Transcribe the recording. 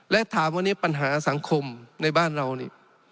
และถามวันนี้ปัญหาสังคมในบ้านเรานี่